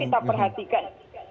kalau kita perhatikan